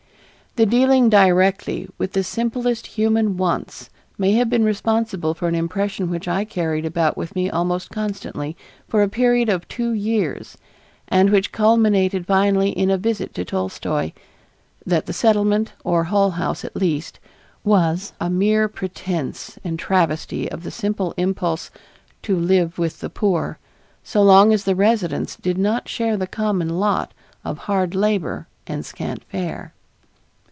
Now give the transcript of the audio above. The dealing directly with the simplest human wants may have been responsible for an impression which I carried about with me almost constantly for a period of two years and which culminated finally in a visit to Tolstoy that the Settlement, or Hull House at least, was a mere pretense and travesty of the simple impulse "to live with the poor," so long as the residents did not share the common lot of hard labor and scant fare.